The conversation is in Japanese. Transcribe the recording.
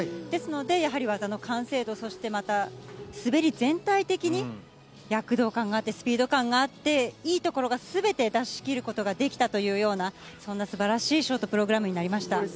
ですので、やはり技の完成度、そしてまた、滑り全体的に躍動感があって、スピード感があって、いいところがすべて出しきることができたというような、そんなすばらしいショートプログラムになりました。